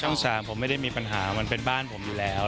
ช่องสามผมไม่ได้มีปัญหามันเป็นบ้านผมอยู่แล้ว